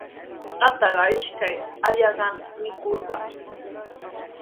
Atuqqa ishkay ashkallaata mikurqan.